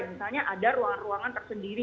misalnya ada ruang ruangan tersendiri